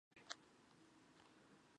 耆英号接下来驶往英国。